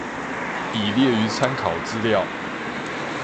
已列於參考資料